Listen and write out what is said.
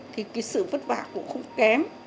thì cái sự vất vả cũng không kém